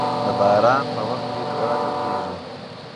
د باران په وخت کې دعا قبليږي.